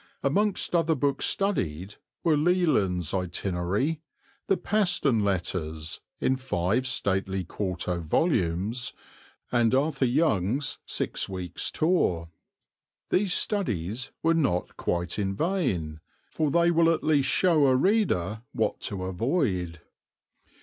Amongst other books studied were Leland's Itinerary, the Paston Letters, in five stately quarto volumes, and Arthur Young's Six Weeks' Tour. These studies were not quite in vain, for they will at least show a reader what to avoid.